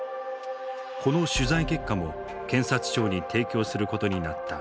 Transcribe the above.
この取材結果も検察庁に提供することになった。